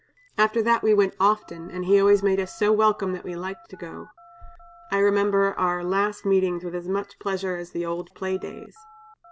After that we went often, and he always made us so welcome that we liked to go. I remember our last meetings with as much pleasure as the old play days."